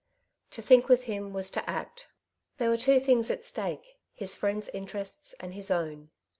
To think with him was to act There were two things at stake, his friend's interests and his own.